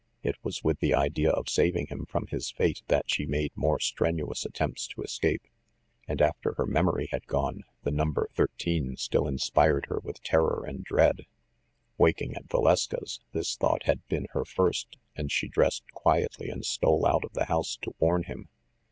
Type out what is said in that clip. It was with the idea of saving him from his fate that she made more strenuous attempts to escape, and, after her memory had gone, the number 13 still inspired her with terror and dread. Wakening at Valeska's, this thought had been her first, and she dressed quietly and stole out of the house to warn him.